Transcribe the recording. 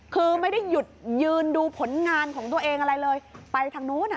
คือไม่ได้หยุดยืนดูผลงานของตัวเองอะไรเลยไปทางนู้นอ่ะ